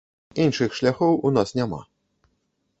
Іншых шляхоў у нас няма.